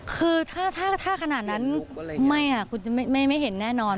คือถ้าขนาดนั้นไม่ค่ะคุณจะไม่เห็นแน่นอน